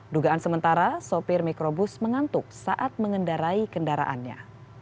dugaan sementara sopir mikrobus mengantuk saat mengendarai kendaraannya